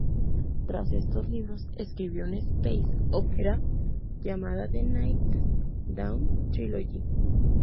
Tras estos libros escribió una "space opera", llamada "The Night's Dawn Trilogy".